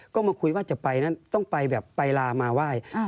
ก็มาคุยว่าจะไปนั้นต้องไปแบบไปลามาไหว้